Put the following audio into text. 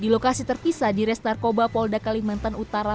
di lokasi terpisah di restarkoba polda kalimantan utara